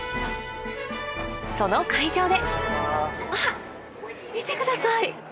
その会場で見てください！